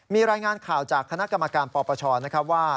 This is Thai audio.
มีรายงานข่าวจากคณะกรรมการปปชนะครับว่า